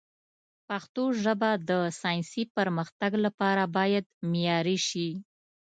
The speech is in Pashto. پښتو ژبه د ساینسي پرمختګ لپاره باید معیاري شي.